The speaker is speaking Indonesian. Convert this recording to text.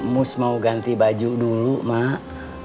mus mau ganti baju dulu mak